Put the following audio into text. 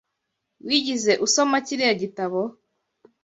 Wigeze usoma kiriya gitabo?